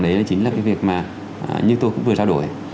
đấy chính là cái việc mà như tôi cũng vừa trao đổi